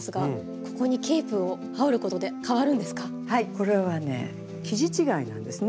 これはね生地違いなんですね。